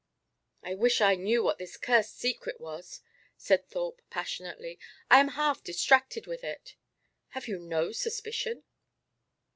"I wish I knew what this cursed secret was," said Thorpe, passionately. "I am half distracted with it." "Have you no suspicion?"